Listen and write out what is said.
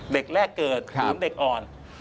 เด็กแรกเกิดคือเด็กอ่อน